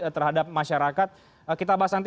terhadap masyarakat kita bahas nanti